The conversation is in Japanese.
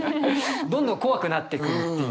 どんどん怖くなってくっていう。